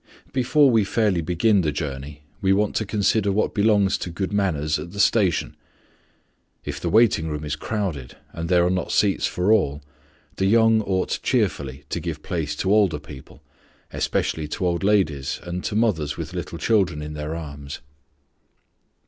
BEFORE we fairly begin the journey we want to consider what belongs to good manners at the station. If the waiting room is crowded, and there are not seats for all, the young ought cheerfully to give place to older people, especially to old ladies and to mothers with little children in their arms.